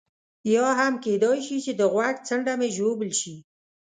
یا هم کېدای شي چې د غوږ څنډه مې ژوبل شي.